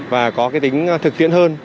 và có cái tính thực tiễn hơn